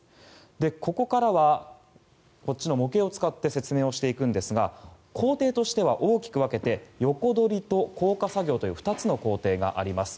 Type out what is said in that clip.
ここからはこっちの模型を使って説明していくんですが工程としては、大きく分けて横取りと降下作業という２つの工程があります。